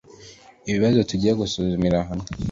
ibibazo tugiye gusuzumira hamwe